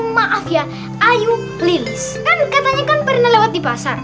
maaf ya ayu lins kan katanya kan pernah lewat di pasar